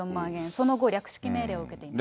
その後、略式命令を受けています。